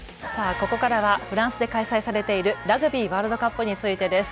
ここからはフランスで開催されているラグビーワールドカップについてです。